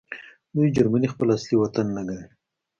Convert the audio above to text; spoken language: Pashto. دوی جرمني خپل اصلي وطن نه ګڼي